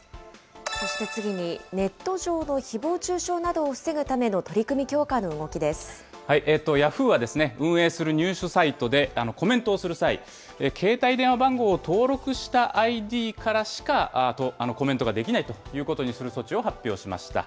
そして次に、ネット上のひぼう中傷などを防ぐための取り組みヤフーは、運営するニュースサイトでコメントをする際、携帯電話番号を登録したＩＤからしかコメントができないということにする措置を発表しました。